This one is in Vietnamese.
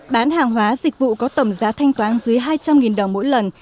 bán hàng hóa dịch vụ có tổng giá thanh toán dưới hai trăm linh đồng mỗi lần